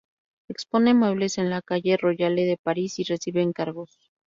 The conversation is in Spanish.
Expone muebles en en la calle Royale de París y recibe encargos.